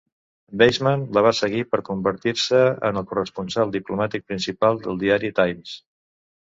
Weisman la va seguir per convertir-se en el corresponsal diplomàtic principal del diari "Times".